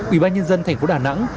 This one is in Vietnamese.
ủy ban nhân dân thành phố đà nẵng